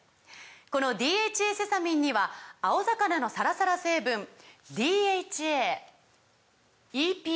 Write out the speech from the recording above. この「ＤＨＡセサミン」には青魚のサラサラ成分ＤＨＡＥＰＡ